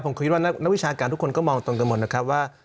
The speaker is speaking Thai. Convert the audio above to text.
ผมคิดว่านักวิชาการทุกคนก็มองตรงกันหมดนะครับว่า